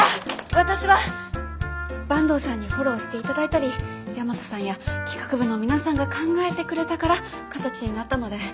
私は坂東さんにフォローして頂いたり大和さんや企画部の皆さんが考えてくれたから形になったので。